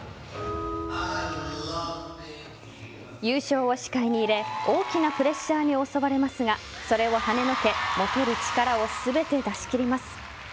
優勝を視界に入れ大きなプレッシャーに襲われますがそれをはねのけ持てる力を全て出し切ります。